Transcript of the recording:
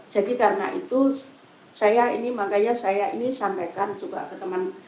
jadi karena itu makanya saya ini sampaikan juga ke teman teman